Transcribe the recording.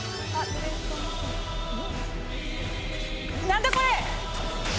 何だ⁉これ！